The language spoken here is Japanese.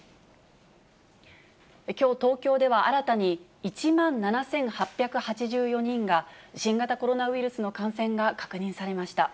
きょう、東京では新たに、１万７８８４人が新型コロナウイルスの感染が確認されました。